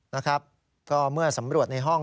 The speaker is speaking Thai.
นะครับก็เมื่อสำรวจในห้อง